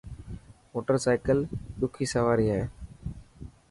موٽر سائڪل ڏکي سواري هي.